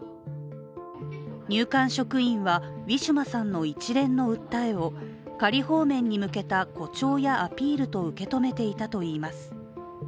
入管職員はウィシュマさんの一連の訴えを仮放免に向けた誇張やアピールと受け止めていたといいます。